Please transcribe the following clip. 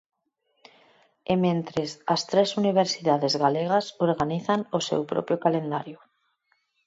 E mentres, as tres universidades galegas organizan o seu propio calendario.